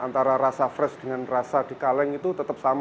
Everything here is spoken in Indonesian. dan antara rasa fresh dengan rasa dikaleng itu tetap sama